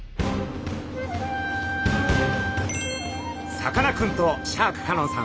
さかなクンとシャーク香音さん